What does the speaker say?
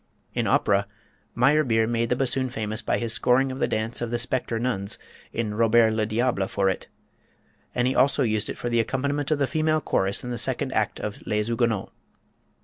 In opera, Meyerbeer made the bassoon famous by his scoring of the dance of the Spectre Nuns in "Robert le Diable" for it, and he also used it for the accompaniment to the female chorus in the second act of "Les Huguenots."